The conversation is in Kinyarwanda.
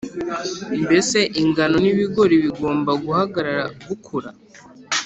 Mbese ingano n’ibigori bigomba guhagarara gukura,